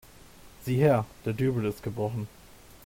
Sieh hier, der Dübel ist gebrochen.